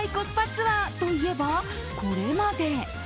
ツアーといえば、これまで。